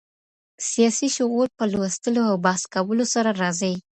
سیاسي شعور په لوستلو او بحث کولو سره راځي.